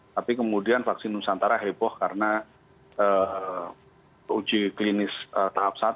tapi kemudian vaksin nusantara heboh karena uji klinis tahap satu